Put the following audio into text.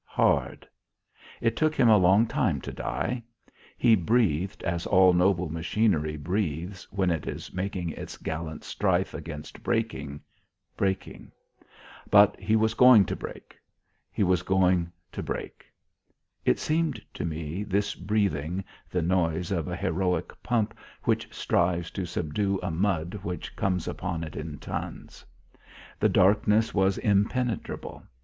Hard. It took him a long time to die. He breathed as all noble machinery breathes when it is making its gallant strife against breaking, breaking. But he was going to break. He was going to break. It seemed to me, this breathing, the noise of a heroic pump which strives to subdue a mud which comes upon it in tons. The darkness was impenetrable.